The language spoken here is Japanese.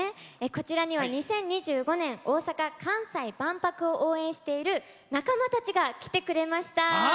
こちらには２０２５年大阪・関西万博を応援している仲間たちが遊びに来てくれました。